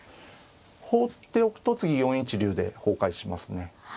放っておくと次４一竜で崩壊しますね。